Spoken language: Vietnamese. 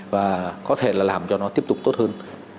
và có thể là làm cho nó tiếp tục tốt hơn